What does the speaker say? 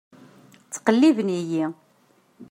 Ttqelliben-iyi.